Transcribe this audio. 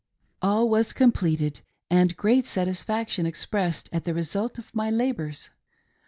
All was I completed, and great satisfaction expressed at the result of my labors.